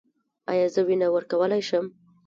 ایا زه وینه ورکولی شم؟